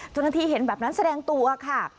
เจ้าหน้าที่เห็นแบบนั้นแสดงตัวค่ะ